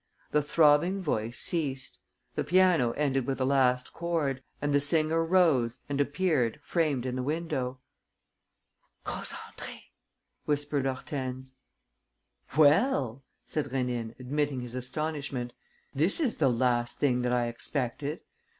The throbbing voice ceased. The piano ended with a last chord; and the singer rose and appeared framed in the window. "Rose Andrée!" whispered Hortense. "Well!" said Rénine, admitting his astonishment. "This is the last thing that I expected!